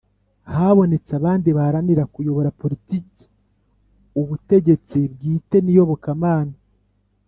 Habonetse abandi baharanira kuyobora politiki, ubutegetsi bwite n'iyobokamana